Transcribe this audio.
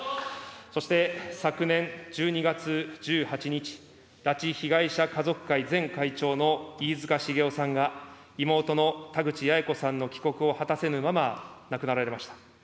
そして、昨年１２月１８日、拉致被害者家族会前会長の飯塚繁雄さんが、妹の田口八重子さんの帰国を果たせぬまま亡くなられました。